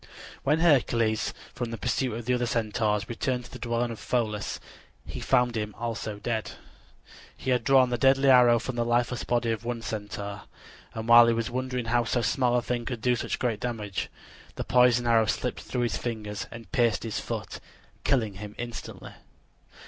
When Hercules from the pursuit of the other Centaurs returned to the dwelling of Pholus he found him also dead. He had drawn the deadly arrow from the lifeless body of one Centaur, and while he was wondering how so small a thing could do such great damage, the poisoned arrow slipped through his fingers and pierced his foot, killing him instantly.